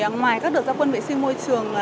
ngoài các đợt gia quân vệ sinh môi trường